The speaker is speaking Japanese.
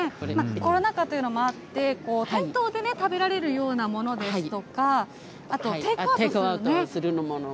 コロナ禍というのもあって、店頭で食べられるようなものですとか、テイクアウトもね。